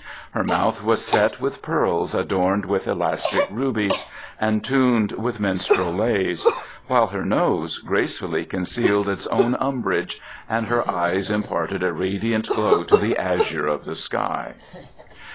Her mouth was set with pearls adorned with elastic rubies and tuned with minstrel lays, while her nose gracefully concealed its own umbrage, and her eyes imparted a radiant glow to the azure of the sky.